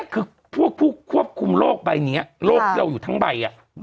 คือพวกพัวคลุมโลกแบบนี้โลกเดียวอยู่ทั้งใบ